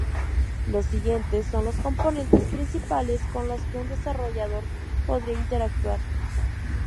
Los siguientes son los componentes principales con las que un desarrollador podría interactuar.